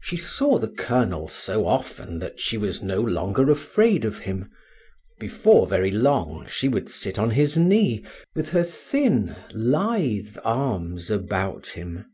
She saw the colonel so often that she was no longer afraid of him; before very long she would sit on his knee with her thin, lithe arms about him.